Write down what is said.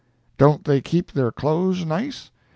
Don't they keep their clothes nice?